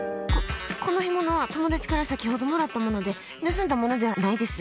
この干物は友達から先ほどもらったもので盗んだものではないです。